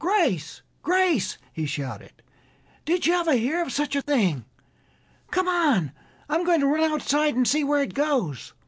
"Grace, Grace!" he shouted, "did you ever hear of such a thing? Come on. I'm going to run outside and see where it goes."